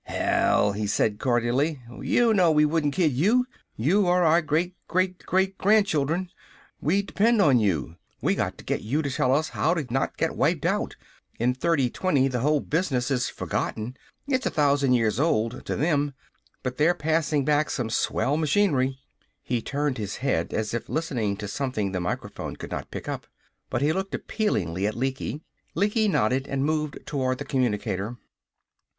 "Hell!" he said cordially. "You know we wouldn't kid you! You or our great great great grandchildren! We depend on you! We got to get you to tell us how not to get wiped out! In 3020 the whole business is forgotten. It's a thousand years old, to them! But they're passin' back some swell machinery " He turned his head as if listening to something the microphone could not pick up. But he looked appealingly at Lecky. Lecky nodded and moved toward the communicator.